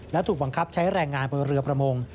และถูกบังคับใช้แรงงานบนเรือประมง